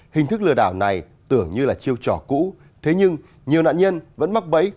hình thức lừa đảo này tưởng như là chiêu trò cũ thế nhưng nhiều nạn nhân vẫn mắc bẫy